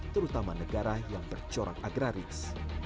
terutama negara yang bercorak agraris